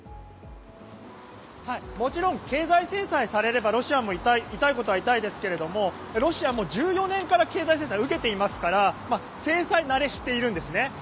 もちろん経済制裁されればロシアは痛いことは痛いですがロシアも１４年から経済制裁を受けていますから制裁慣れしているんですね。